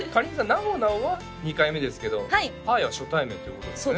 なおなおは２回目ですけどあーやは初対面ということですよね